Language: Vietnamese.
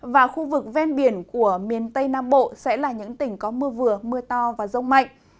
và khu vực ven biển của miền tây nam bộ sẽ là những tỉnh có mưa vừa mưa to và rông mạnh